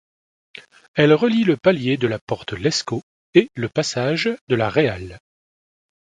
Elle relie le palier de la porte Lescot et le passage de la Réale.